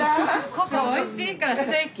ここおいしいからステーキ。